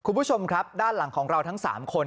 คุณผู้ชมครับด้านหลังของเราทั้ง๓คน